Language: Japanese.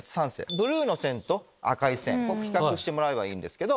ブルーの線と赤い線比較してもらえばいいんですけど。